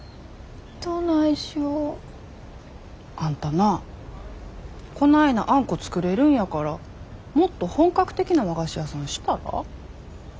どないしよ。あんたなあこないなあんこ作れるんやからもっと本格的な和菓子屋さんしたら？